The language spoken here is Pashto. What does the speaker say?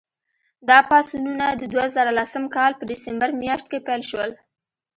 دا پاڅونونه د دوه زره لسم کال په ډسمبر میاشت کې پیل شول.